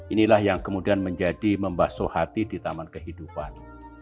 inilah yang kemudian menjadi membasuh hati di taman kehidupan